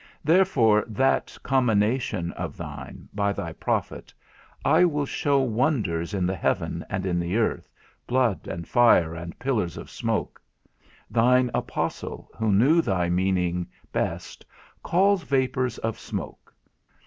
Therefore that commination of thine, by thy prophet, I will show wonders in the heaven, and in the earth, blood and fire, and pillars of smoke; thine apostle, who knew thy meaning best, calls vapours of smoke.